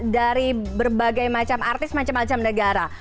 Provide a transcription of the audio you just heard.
dari berbagai macam artis macam macam negara